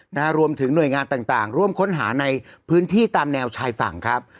นะฮะรวมถึงหน่วยงานต่างต่างร่วมค้นหาในพื้นที่ตามแนวชายฝั่งครับ